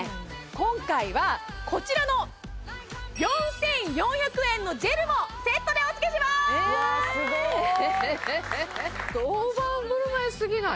今回はこちらの４４００円のジェルもセットでおつけしまーすいやスゴい大盤ぶるまいすぎない？